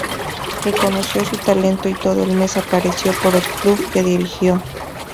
Reconoció su talento y todo el mes apareció por el club que dirigió.